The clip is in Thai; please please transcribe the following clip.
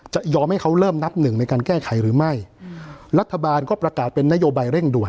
ยอมให้เขาเริ่มนับหนึ่งในการแก้ไขหรือไม่รัฐบาลก็ประกาศเป็นนโยบายเร่งด่วน